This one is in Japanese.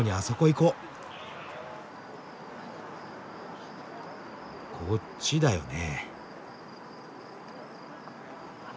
こっちだよね。